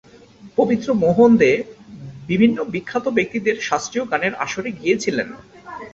পবিত্র মোহন দে বিভিন্ন বিখ্যাত ব্যক্তিদের শাস্ত্রীয় গানের আসরে গিয়েছিলেন।